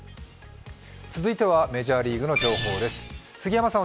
続いてはメジャーリーグの情報です。